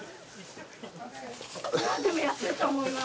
でも安いと思います。